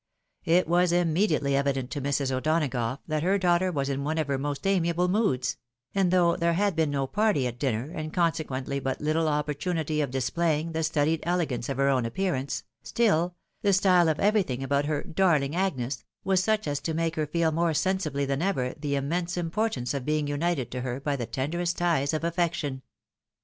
It was immediately evi dent to Mrs. O'Donagough that her daughter was in one of her most amiable moods ; and though there had been no party at dinner, and consequently but little opportunity of displaying the studied elegance of her own appearance, still " the style of everything about her darling Agnes" was such as to make her feel more sensibly than ever the immense importance of being united to her by the tenderest ties of affection.